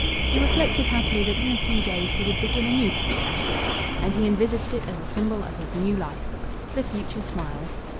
He reflected happily that in a few days he would begin a new petty cash book and he envisaged it as a symbol of his new life. The future smiled.